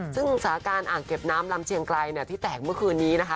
ซึ่งสถานการณ์อ่างเก็บน้ำลำเชียงไกลที่แตกเมื่อคืนนี้นะคะ